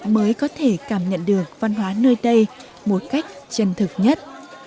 mới có thể cảm nhận được văn hóa nơi đây một cách chân thực nhất